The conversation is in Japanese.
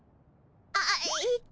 あっえっと